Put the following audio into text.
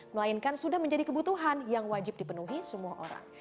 melainkan sudah menjadi kebutuhan yang wajib dipenuhi semua orang